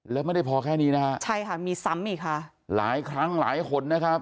แล้วไม่ได้พอแค่นี้นะฮะใช่ค่ะมีซ้ำอีกค่ะหลายครั้งหลายคนนะครับ